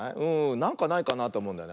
なんかないかなっておもうんだよね。